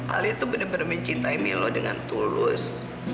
alia tuh bener bener mencintai milo dengan tulus